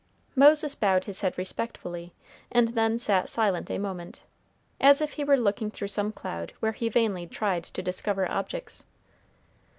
Moses bowed his head respectfully, and then sat silent a moment, as if he were looking through some cloud where he vainly tried to discover objects.